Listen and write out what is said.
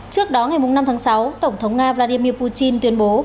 trước đó ngày năm tháng sáu tổng thống nga vladimir putin tuyên bố